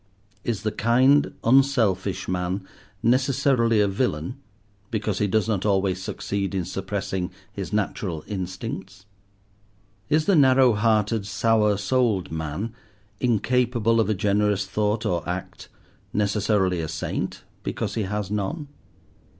Is the kind, unselfish man necessarily a villain because he does not always succeed in suppressing his natural instincts? Is the narrow hearted, sour souled man, incapable of a generous thought or act, necessarily a saint because he has none?